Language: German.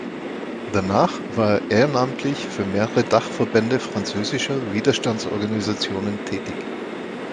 Danach war er ehrenamtlich für mehrere Dachverbände französischer Widerstandsorganisationen tätig.